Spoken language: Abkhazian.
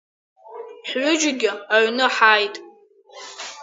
Ҳҩыџьегьы аҩны ҳааит.